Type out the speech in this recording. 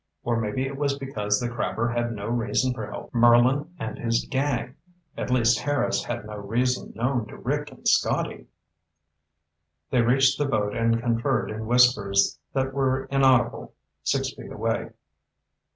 Or maybe it was because the crabber had no reason for helping Merlin and his gang; at least Harris had no reason known to Rick and Scotty. They reached the boat and conferred in whispers that were inaudible six feet away.